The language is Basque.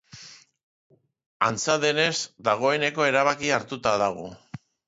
Antza denez, dagoeneko erabakia hartuta dago.